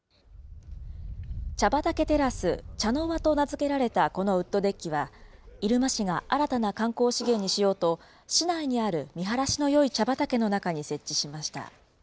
茶畑テラス茶の輪と名付けられたこのウッドデッキは、入間市が新たな観光資源にしようと、市内にある見晴らしのよい茶畑の中に設置しました。